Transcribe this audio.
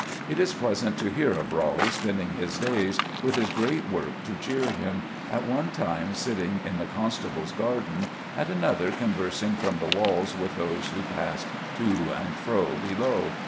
It is pleasant to hear of Raleigh spending his days, with his great work to cheer him, at one time sitting in the Constable's garden, at another conversing from the walls with those who passed to and fro below.